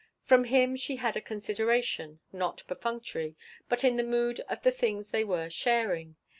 From him she had a consideration, not perfunctory, but in the mood of the things they were sharing.